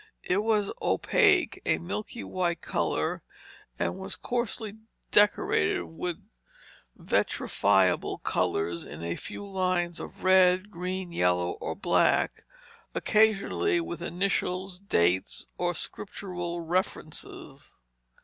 It was opaque, a milky white color, and was coarsely decorated with vitrifiable colors in a few lines of red, green, yellow, or black, occasionally with initials, dates, or Scriptural references.